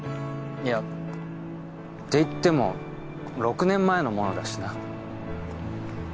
いやっていっても６年前のものだしな。